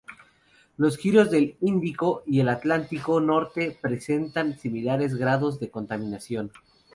Los giros del Índico y el Atlántico Norte presentan similares grados de contaminación.